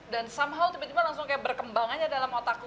dan somehow tiba tiba langsung kayak berkembangannya dalam otakku